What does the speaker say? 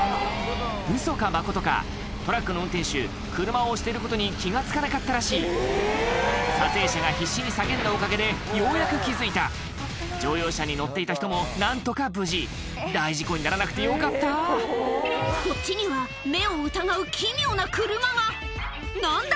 ウソかマコトかトラックの運転手車を押してることに気が付かなかったらしい撮影者が必死に叫んだおかげでようやく気付いた乗用車に乗っていた人も何とか無事大事故にならなくてよかったこっちには目を疑う奇妙な車が何だ？